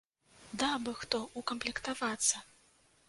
Даў бы хто ўкамплектавацца!